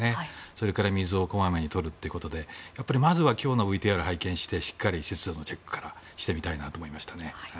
それから水を小まめに取るということでやはりまずは今日のＶＴＲを拝見してしっかり湿度のチェックからしてみたいなと思いましたね。